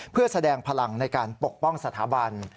เพื่อแสดงพลังในการปกป้องสถาบัน